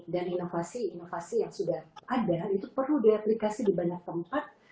dan inovasi inovasi yang sudah ada itu perlu diaplikasi di banyak tempat